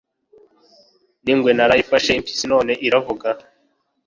n'ingwe narayifashe impyisi none uravuga